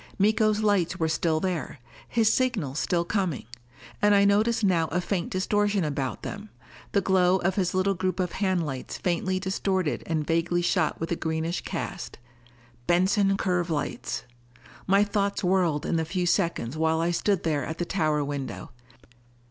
Miko's lights were still there. His signals still coming. And I noticed now a faint distortion about them, the glow of his little group of hand lights faintly distorted and vaguely shot with a greenish cast. Benson curve lights! My thoughts whirled in the few seconds while I stood there at the tower window.